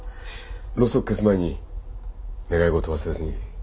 ろうそく消す前に願い事忘れずに。